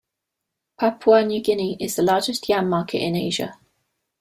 Papua New Guinea is the largest yam market in Asia.